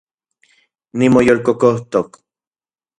Nimoyolkokojtok